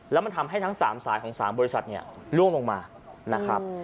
แล้วมันทำให้ทั้ง๓สายของ๓บริษัทเนี่ยล่วงลงมานะครับ